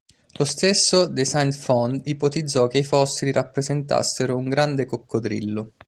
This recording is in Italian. Lo stesso De Saint-Fond ipotizzò che i fossili rappresentassero un grande coccodrillo.